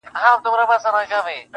o ډېوې د اُمیدنو مو لا بلي دي ساتلي,